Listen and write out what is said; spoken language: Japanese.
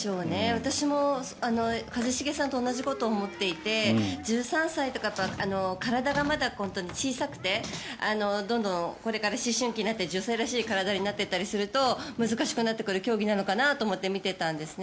私も一茂さんと同じことを思っていて１３歳とか体がまだ小さくてどんどんこれから思春期になって女性らしい体になっていったりすると難しくなってくる競技なのかなと思って見ていたんですね。